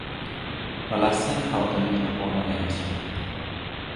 Falastin xalqining ahvoli ayanchli.